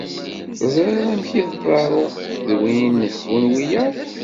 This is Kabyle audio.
Teẓriḍ amek tḍerru d win inehhun wiyaḍ?